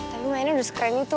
tapi mainnya udah screen itu